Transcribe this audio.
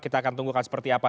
kita akan tunggu seperti apa